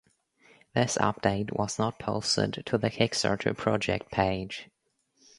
This update was not posted to the Kickstarter project page.